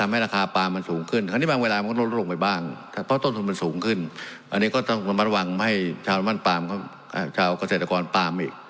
ให้ชาวน้ำมั่นปลามชาวเกษตรกรปลามอีก